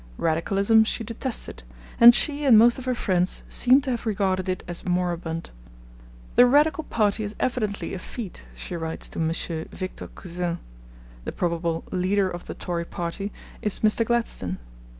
Radicalism she detested, and she and most of her friends seem to have regarded it as moribund. 'The Radical party is evidently effete,' she writes to M. Victor Cousin; the probable 'leader of the Tory party' is Mr. Gladstone.